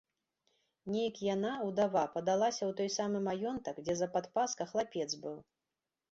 Нейк яна, удава, падалася ў той самы маёнтак, дзе за падпаска хлапец быў.